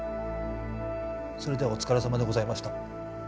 それではお疲れさまでございました。